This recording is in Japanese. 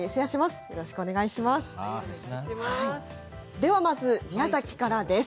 ではまず宮崎からです。